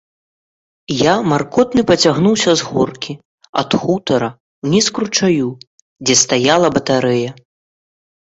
Я маркотны пацягнуўся з горкі, ад хутара, уніз к ручаю, дзе стаяла батарэя.